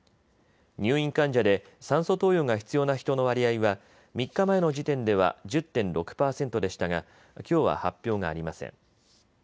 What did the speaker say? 入院患者で酸素投与が必要な人の割合は３日前の時点では１０．６％でしたが、きょうは発表がありません。